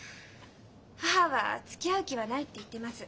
母は「つきあう気はない」って言ってます。